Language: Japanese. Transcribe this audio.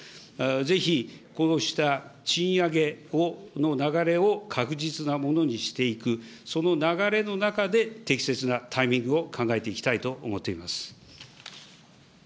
ぜひこうした賃上げの流れを確実なものにしていく、その流れの中で、適切なタイミングを考えていきたいと思っています。